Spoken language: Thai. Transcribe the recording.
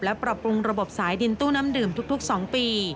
และปรับปรุงระบบสายดินตู้น้ำดื่มทุก๒ปี